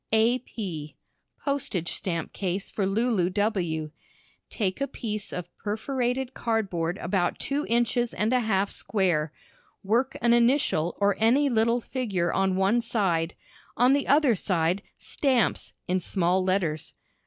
A. P. Postage stamp Case for Lulu W. Take a piece of perforated card board about two inches and a half square, work an initial or any little figure on one side, on the other side "Stamps" in small letters.